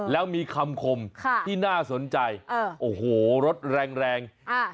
แล้วมีคำคมที่น่าสนใจโอ้โหรถแรง